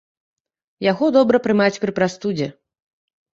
Яго добра прымаць пры прастудзе.